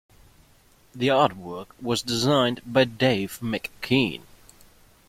The artwork was designed by Dave McKean.